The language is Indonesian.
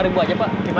rp lima aja pak